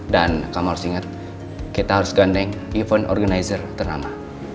dan kamu harus ingat kita harus gandeng event organizer ternama